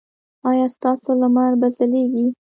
ایا ستاسو لمر به ځلیږي؟